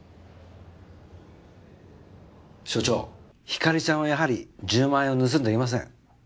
署長ひかりちゃんはやはり１０万円を盗んでいません。